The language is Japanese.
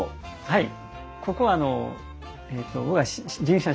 はい。